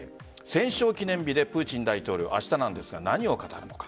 戦勝記念日でプーチン大統領明日なんですが何を語るのか。